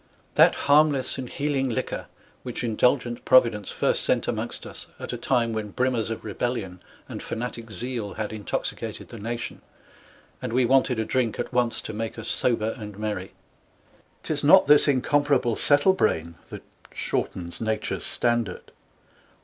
That harmless and healing Liquor, which Indulgent Providence first sent amongst us, at a time when Brimmers of Rebellion, and Fanatick Zeal had intoxicated the Nation, and we wanted a Drink at once to make us Sober and Merry: 'Tis not this incomparable ┬Ā┬Ā┬Ā┬Ā┬Ā┬Ā 2 30 settle Brain that shortens Natures Standard, or <<p.